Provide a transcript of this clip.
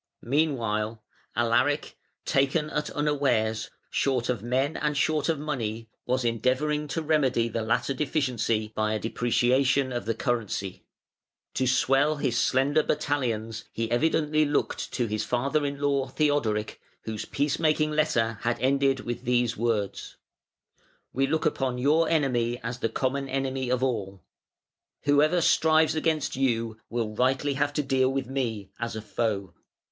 Meanwhile, Alaric, taken at unawares, short of men and short of money, was endeavouring to remedy the latter deficiency by a depreciation of the currency. To swell his slender battalions he evidently looked to his father in law, Theodoric, whose peace making letter had ended with these words: "We look upon your enemy as the common enemy of all. Whoever strives against you will rightly have to deal with me, as a foe".